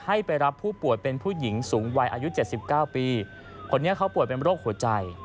ให้ไปรับผู้ป่วยเป็นผู้หญิงสูงวัยอายุ๗๙ปีคนนี้เขาป่วยเป็นโรคหัวใจ